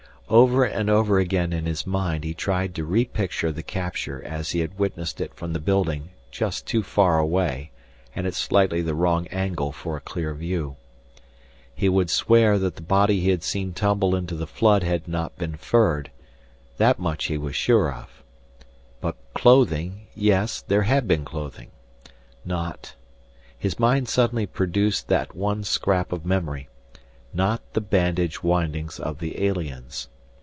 Over and over again in his mind he tried to re picture the capture as he had witnessed it from the building just too far away and at slightly the wrong angle for a clear view. He would swear that the body he had seen tumble into the flood had not been furred, that much he was sure of. But clothing, yes, there had been clothing. Not his mind suddenly produced that one scrap of memory not the bandage windings of the aliens.